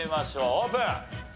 オープン！